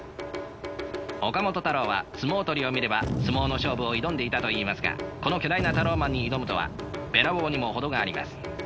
岡本太郎は相撲取りを見れば相撲の勝負を挑んでいたといいますがこの巨大なタローマンに挑むとはべらぼうにも程があります。